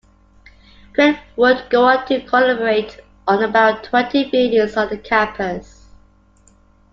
Cret would go on to collaborate on about twenty buildings on the campus.